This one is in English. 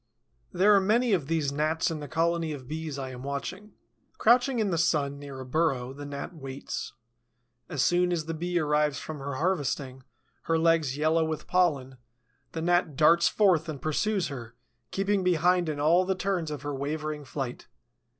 There are many of these Gnats in the colony of Bees I am watching. Crouching in the sun, near a burrow, the Gnat waits. As soon as the Bee arrives from her harvesting, her legs yellow with pollen, the Gnat darts forth and pursues her, keeping behind in all the turns of her wavering flight.